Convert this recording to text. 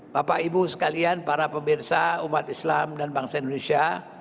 bapak ibu sekalian para pemirsa umat islam dan bangsa indonesia